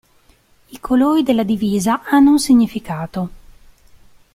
I colori della divisa hanno un significato.